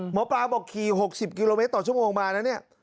หมอปลาบอกขี่๖๐กิโลเมตรต่อชั่วโมงมานะเนี่ย